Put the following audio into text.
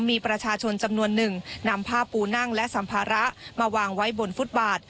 มีประชาชนจำนวนหนึ่งนำผ้าปูนั่งและสัมภาระมาวางไว้บนฟุตบาท